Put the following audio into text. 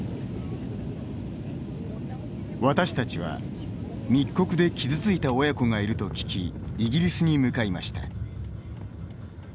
私たちは密告で傷ついた親子がいると聞きイギリスに向かいました。